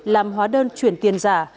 làm hóa đơn chuyển tiền giả